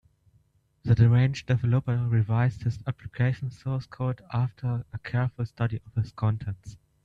The deranged developer revised his application source code after a careful study of its contents.